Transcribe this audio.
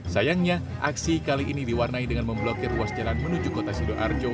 sayangnya aksi kali ini diwarnai dengan memblokir ruas jalan menuju kota sidoarjo